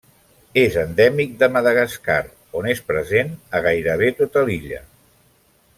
És endèmic de Madagascar, on és present a gairebé tota l'illa.